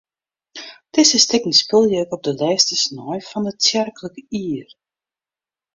Dizze stikken spylje ik op de lêste snein fan it tsjerklik jier.